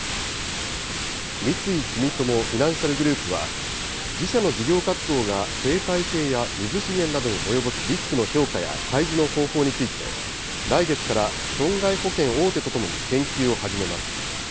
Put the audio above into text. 三井住友フィナンシャルグループは、自社の事業活動が生態系や水資源などに及ぼすリスクの評価や開示の方法について、来月から損害保険大手と共に研究を始めます。